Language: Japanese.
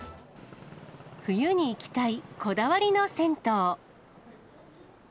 冬に行きたいこだわりの銭湯。